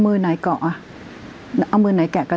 คุณแม่ก็ไม่อยากคิดไปเองหรอก